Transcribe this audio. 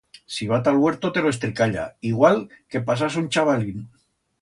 Si va ta'l huerto te lo estricalla igual que pasás un chabalín.